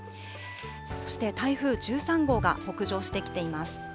そして台風１３号が北上してきています。